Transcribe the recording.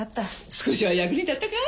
少しは役に立ったかい？